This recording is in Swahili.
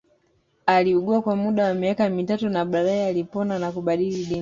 Aliugua kwa muda wa miaka mitatu na baadae alipona na kubadili dini